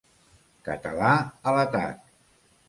Català, a l'atac!